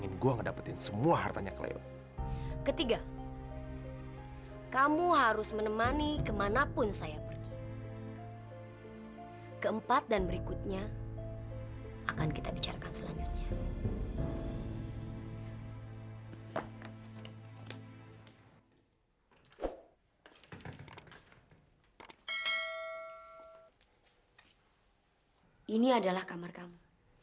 ini adalah kamar kamu